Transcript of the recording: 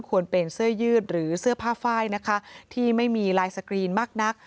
ควรเป็นเสื้อยืดหรือเสื้อผ้าไฟล์นะคะที่ไม่มีลายสกรีนมากนัก